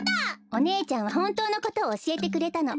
お姉ちゃんはほんとうのことをおしえてくれたの。